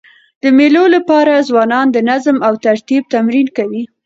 د مېلو له پاره ځوانان د نظم او ترتیب تمرین کوي.